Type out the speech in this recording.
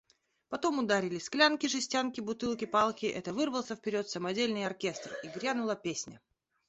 Потом ударили склянки, жестянки, бутылки, палки – это вырвался вперед самодельный оркестр, и грянула песня.